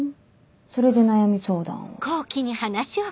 それで悩み相談を。